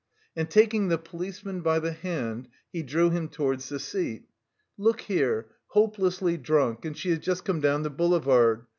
And taking the policeman by the hand he drew him towards the seat. "Look here, hopelessly drunk, and she has just come down the boulevard.